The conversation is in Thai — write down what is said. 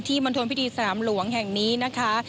มณฑลพิธีสนามหลวงแห่งนี้นะคะ